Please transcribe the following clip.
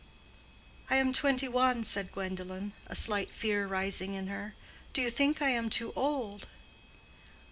"I am twenty one," said Gwendolen, a slight fear rising in her. "Do you think I am too old?"